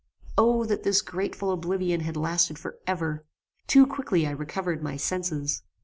O that this grateful oblivion had lasted for ever! Too quickly I recovered my senses.